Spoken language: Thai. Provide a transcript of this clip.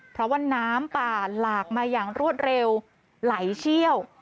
เพราะว่าน้ำป่าหลากมาอย่างรวดเร็วไหลเชี่ยว